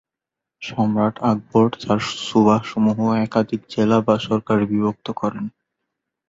সম্রাট আকবর তাঁর সুবাহ সমূহ একাধিক জেলা বা সরকারে বিভক্ত করেন।